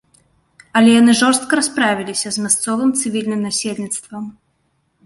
Але яны жорстка расправіліся з мясцовым цывільным насельніцтвам.